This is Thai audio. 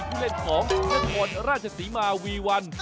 ทันใจผู้เล่นของราชศรีมาร์วีวัน